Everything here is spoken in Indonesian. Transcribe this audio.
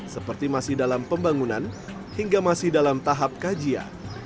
seperti masih dalam pembangunan hingga masih dalam tahap kajian